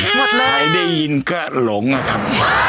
ใครได้ยินก็หลงอะครับ